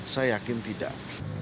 saya yakin tidak